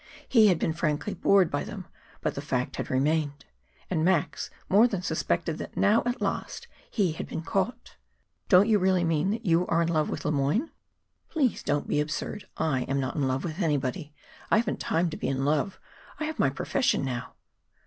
He had been frankly bored by them, but the fact had remained. And Max more than suspected that now, at last, he had been caught. "Don't you really mean that you are in love with Le Moyne?" "Please don't be absurd. I am not in love with anybody; I haven't time to be in love. I have my profession now."